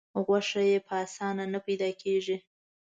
غوښه یې په اسانه نه پیدا کېږي.